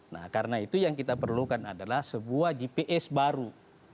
nah karena itu yang kita perlukan adalah sebuah gps baru